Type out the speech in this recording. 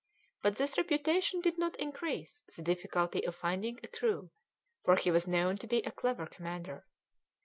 But this reputation did not increase the difficulty of finding a crew, for he was known to be a clever commander.